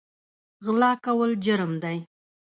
غلا کول جرم دی